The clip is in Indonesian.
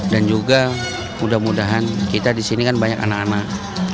dan juga mudah mudahan kita di sini kan banyak anak anak